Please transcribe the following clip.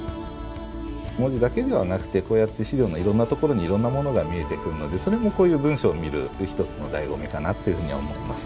文字だけではなくてこうやって資料のいろんなところにいろんなものが見えてくるのでそれもこういう文書を見る一つのだいご味かなっていうふうには思ってます。